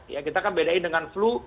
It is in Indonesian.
ya kita kan bedain dengan flu